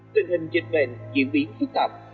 tình hình dịch bệnh diễn biến phức tạp